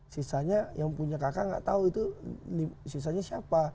sisanya yang punya kk nggak tahu itu sisanya siapa